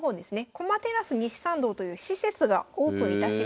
駒テラス西参道という施設がオープンいたしました。